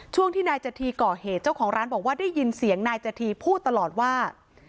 ช่วงที่นายจธีก่อเหตุเจ้าของร้านบอกว่าได้ยินเสียงนายจธีพูดตลอดว่า